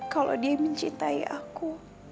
kalau dia mencintai aku